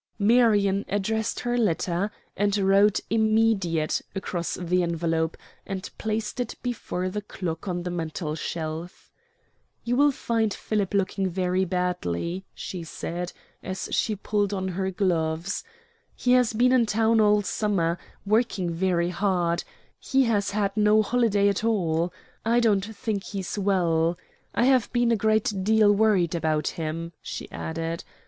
Marion addressed her letter and wrote "Immediate" across the envelope, and placed it before the clock on the mantelshelf. "You will find Philip looking very badly," she said, as she pulled on her gloves. "He has been in town all summer, working very hard he has had no holiday at all. I don't think he's well. I have been a great deal worried about him," she added.